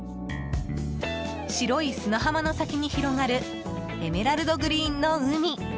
白い砂浜の先に広がるエメラルドグリーンの海。